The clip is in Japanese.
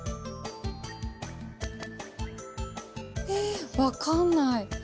え分かんない。